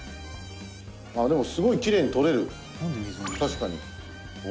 「でも、すごいきれいに取れる、確かに」